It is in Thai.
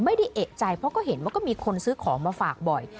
ไม่ได้เอกใจเพราะก็เห็นว่าก็มีคนซื้อของมาฝากบ่อย